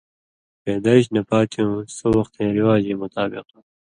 پیدائش نہ پاتیُوں، سو وختَیں رِواجَیں مطابق